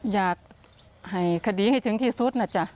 อยากให้คดีให้ถึงที่สุดนะจ๊ะ